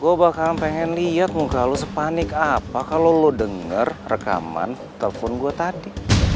gue bakalan pengen liat muka lo sepanik apa kalo lo denger rekaman telepon gue tadi